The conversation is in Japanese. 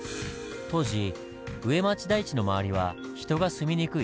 当時上町台地の周りは人が住みにくい湿地帯でした。